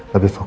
lebih fokus ke